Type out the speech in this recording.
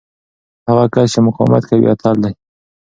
هغه کس چې مقاومت کوي، اتل دی.